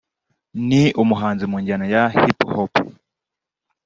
ni umuhanzi mu njyana ya Hip Hop